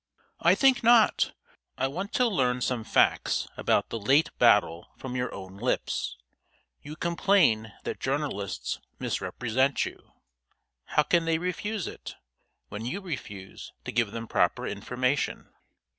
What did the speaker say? "I think not. I want to learn some facts about the late battle from your own lips. You complain that journalists misrepresent you. How can they avoid it, when you refuse to give them proper information?